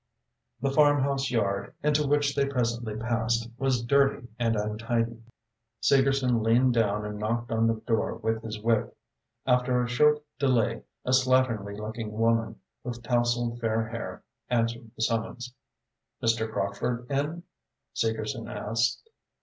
The farmhouse yard, into which they presently passed, was dirty and untidy. Segerson leaned down and knocked on the door with his whip. After a short delay, a slatternly looking woman, with tousled fair hair, answered the summons. "Mr. Crockford in?" Segerson asked.